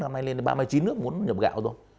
năm nay lên ba mươi chín nước muốn nhập gạo rồi